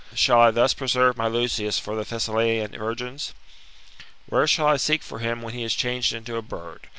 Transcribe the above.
Shall I thus preserve my Lucius for the Thessalian virgins ? Where shall I seek for him when he is changed into a bird